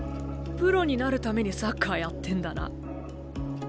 プロになるためにサッカーやってんだな。